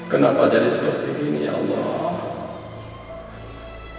kenapa jadi seperti ini ya allah